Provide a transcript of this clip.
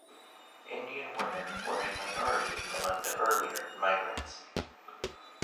Indian women were a minority among the earlier migrants.